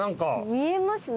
見えますね。